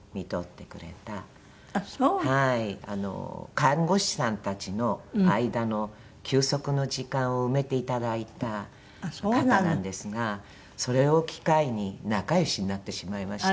看護師さんたちの間の休息の時間を埋めていただいた方なんですがそれを機会に仲良しになってしまいまして。